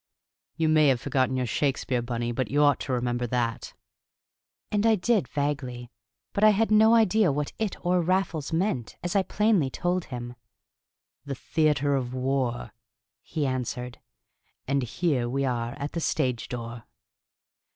"You may have forgotten your Shakespeare, Bunny, but you ought to remember that." And I did, vaguely, but had no idea what it or Raffles meant, as I plainly told him. "The theatre of war," he answered "and here we are at the stage door!"